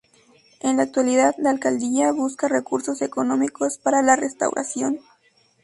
En la actualidad la Alcaldía busca recursos económicos para la restauración.